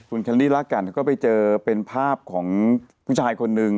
คุณแคลลี่ละกันก็ไปเจอเป็นภาพของผู้ชายคนนึง